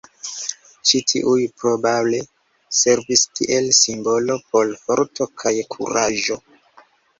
Ĉi tiuj probable servis kiel simbolo por forto kaj kuraĝo.